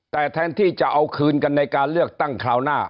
แต่แทนที่จะเอาคืนกันในการเลือกตั้งคราวหน้า